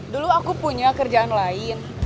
dulu aku punya kerjaan lain